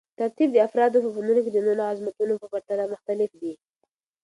ترتیب د افرادو په فنون کې د نورو عظمتونو په پرتله مختلف دی.